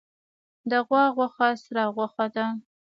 د غوا غوښه سره غوښه ده